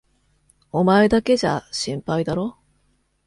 お前だけじゃ心配だろう？